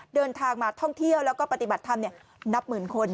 เดินทางมาท่องเที่ยวแล้วก็ปฏิบัติธรรม